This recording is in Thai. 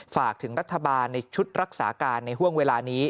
ฝากถึงรัฐบาลในชุดรักษาการในห่วงเวลานี้